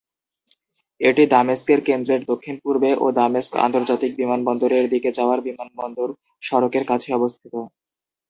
এটি দামেস্কের কেন্দ্রের দক্ষিণ-পূর্বে ও দামেস্ক আন্তর্জাতিক বিমানবন্দরের দিকে যাওয়ার বিমানবন্দর সড়কের কাছে অবস্থিত।